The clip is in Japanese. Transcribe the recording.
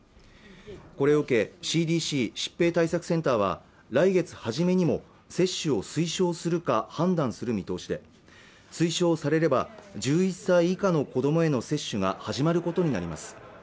これを受けＣＤＣ＝疾病対策センターは来月初めにも接種を推奨するか判断する見通しで推奨されれば１１歳以下の子どもへの接種が始まることになります